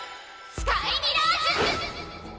スカイミラージュ！